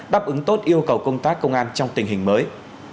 đáp ứng tốt yêu cầu công tác công an trong tình hình mới